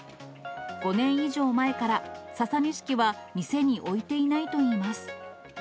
５年以上前から、ササニシキは店に置いていないといいます。